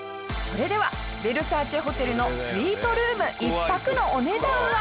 それではヴェルサーチェホテルのスイートルーム１泊のお値段は？